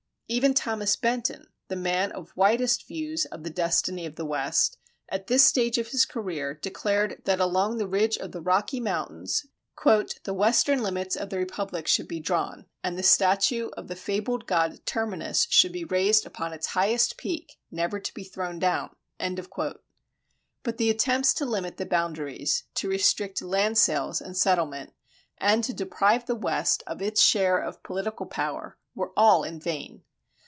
Even Thomas Benton, the man of widest views of the destiny of the West, at this stage of his career declared that along the ridge of the Rocky mountains "the western limits of the Republic should be drawn, and the statue of the fabled god Terminus should be raised upon its highest peak, never to be thrown down."[35:1] But the attempts to limit the boundaries, to restrict land sales and settlement, and to deprive the West of its share of political power were all in vain.